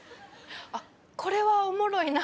あっこれはおもろいな。